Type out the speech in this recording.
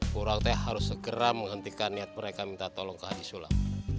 kurang teh harus segera menghentikan niat mereka minta tolong ke haji sulam